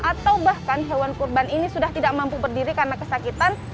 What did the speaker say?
atau bahkan hewan kurban ini sudah tidak mampu berdiri karena kesakitan